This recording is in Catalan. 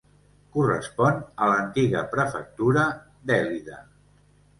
Correspon a l'antiga prefectura d'Èlide.